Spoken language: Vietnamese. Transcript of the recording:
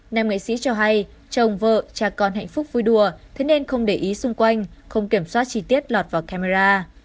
nam nghệ sĩ cho hay chồng vợ cha con hạnh phúc vui đùa thế nên không để ý xung quanh không kiểm soát chi tiết lọt vào camera